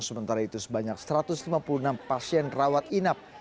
sementara itu sebanyak satu ratus lima puluh enam pasien rawat inap